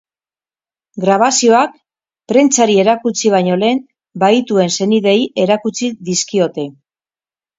Grabazioak prentsari erakutsi baino lehen, bahituen senideei erakutsi dizkiote.